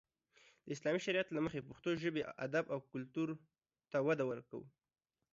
د اسلامي شريعت له مخې پښتو ژبې، ادب او کلتور ته وده ورکو.